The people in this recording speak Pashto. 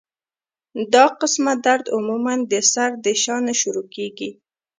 دا قسمه درد عموماً د سر د شا نه شورو کيږي